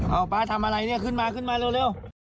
เอาป๊าทำอะไรเนี่ยขึ้นมาขึ้นมาเร็ว